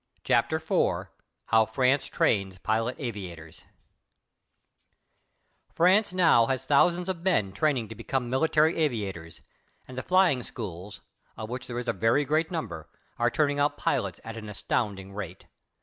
CHAPTER IV HOW FRANCE TRAINS PILOT AVIATORS France now has thousands of men training to become military aviators, and the flying schools, of which there is a very great number, are turning out pilots at an astounding rate.